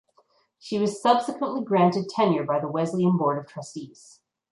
She was subsequently granted tenure by the Wesleyan Board of Trustees.